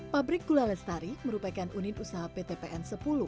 pabrik gula lestari merupakan unit usaha pt pn sepuluh